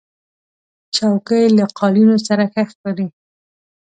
چوکۍ له قالینو سره ښه ښکاري.